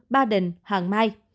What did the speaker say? ba đình hàng mai